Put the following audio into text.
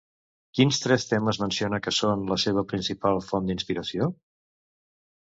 Quins tres temes menciona que són la seva principal font d'inspiració?